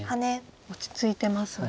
落ち着いてますね。